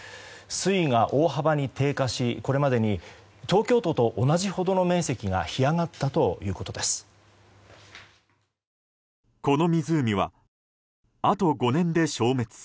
水位が大幅に低下し、これまでに東京都と同じほどの面積が干上がったということです。